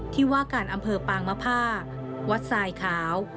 ที่ว่าการอำเภอปางมภาวัดทรายขาว